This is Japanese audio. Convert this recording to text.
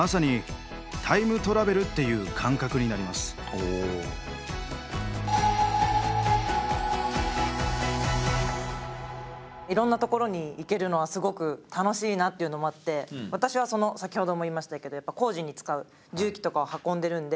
そうまさにいろんなところに行けるのはすごく楽しいなっていうのもあって私は先ほども言いましたけど工事に使う重機とかを運んでるんでいろんな多分